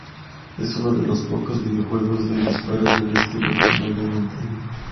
Es uno de los pocos videojuegos de disparos del estilo original de Nintendo.